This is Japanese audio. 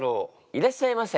いらっしゃいませ。